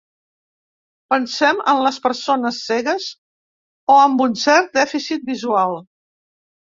Pensem en les persones cegues o amb un cert dèficit visual.